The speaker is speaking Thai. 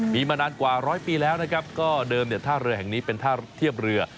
มีมานานกว่าร้อยปีแล้วนะครับก็เดิมเนี่ยท่าเรือแห่งนี้เป็นท่าเทียบเรือ